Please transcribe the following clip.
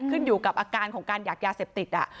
ขึ้นอยู่กับอาการของการอยากยาเสพติด